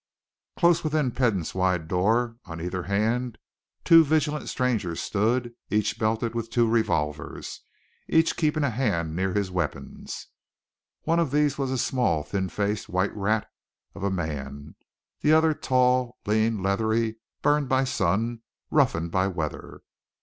Close within Peden's wide door, one on either hand, two vigilant strangers stood, each belted with two revolvers, each keeping a hand near his weapons. One of these was a small, thin faced white rat of a man; the other tall, lean, leathery; burned by sun, roughened by weather.